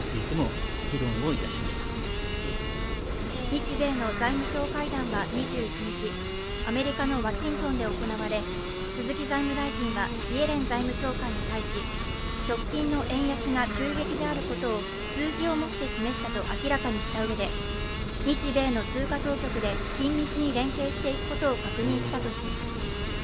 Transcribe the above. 日米の財務相会談は２１日、アメリカのワシントンで行われ鈴木財務大臣はイエレン財務長官に対し、直近の円安が急激であることを数字をもって示したと明らかにしたうえで日米の通貨当局で緊密に連携していくことを確認したとしています。